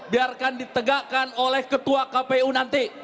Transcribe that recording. biarkan ditegakkan oleh ketua kpu nanti